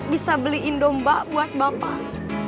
bisa beliin domba buat bapak